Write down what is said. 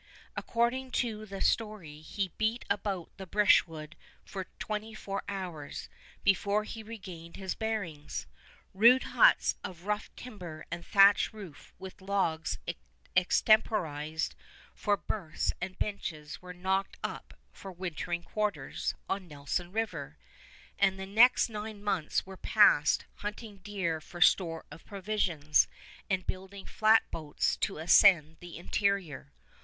According to the story, he beat about the brushwood for twenty four hours before he regained his bearings. Rude huts of rough timber and thatch roof with logs extemporized for berths and benches were knocked up for wintering quarters on Nelson River, and the next nine months were passed hunting deer for store of provisions, and building flatboats to ascend the interior.